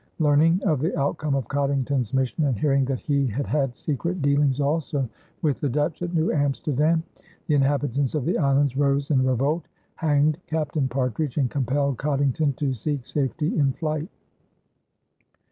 Learning of the outcome of Coddington's mission and hearing that he had had secret dealings also with the Dutch at New Amsterdam, the inhabitants of the islands rose in revolt, hanged Captain Partridge and compelled Coddington to seek safety in flight.